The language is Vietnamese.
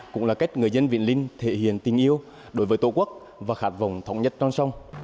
cũng là cách người dân vĩnh linh thể hiện tình yêu đối với tổ quốc và khát vọng thống nhất non sông